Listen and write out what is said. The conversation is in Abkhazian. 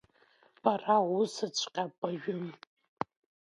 Бара усҵәҟьа бажәым.